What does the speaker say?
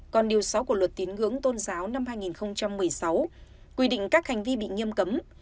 còn điều sáu của luật tiếng ngưỡng tôn giáo năm hai nghìn một mươi sáu quy định các hành vi bị nghiêm cấm